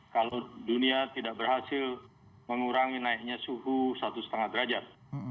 kalau dunia tidak berhasil mengurangi naiknya suhu satu lima derajat